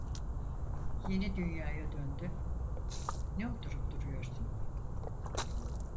Yeni Dünya'ya döndü: "Ne oturup duruyorsun?"